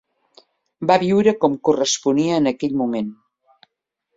Va viure com corresponia en aquell moment.